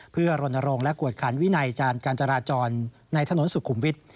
เพื่อโรนโรงและกวดการวินัยการจราจรในถนนสุขุมวิท